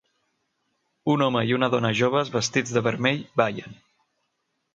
Un home i una dona joves vestits de vermell ballen.